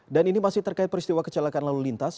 dan ini masih terkait peristiwa kecelakaan lalu lintas